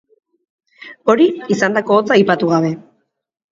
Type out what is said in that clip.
Hori, izandako hotza aipatu gabe.